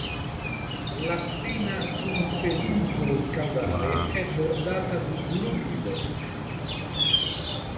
La spina sul peduncolo caudale è bordata di blu vivo.